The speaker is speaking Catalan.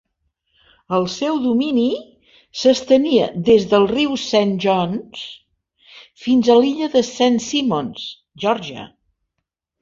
El seu domini s'estenia des del riu Saint Johns fins a l'illa de Saint Simons, Geòrgia.